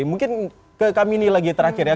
mungkin ke kami ini lagi terakhir ya